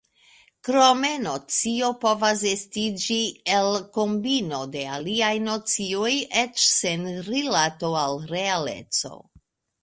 Krome nocio povas estiĝi el kombino de aliaj nocioj eĉ sen rilato al realeco.